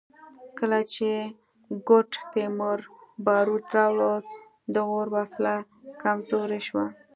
کله چې ګوډ تیمور باروت راوړل د غور وسله کمزورې شوه